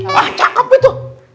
wah cakep itu